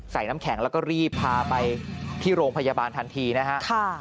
น้ำแข็งแล้วก็รีบพาไปที่โรงพยาบาลทันทีนะฮะ